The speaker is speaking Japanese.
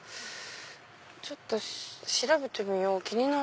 ちょっと調べてみよう気になる。